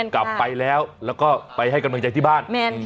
กลับไปแล้วแล้วก็ไปให้กำลังใจที่บ้าน